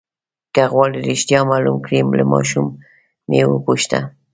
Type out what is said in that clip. که غواړئ رښتیا معلوم کړئ له ماشوم یې وپوښته.